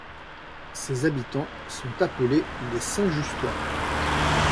Ses habitants sont appelés les Saint-Justois.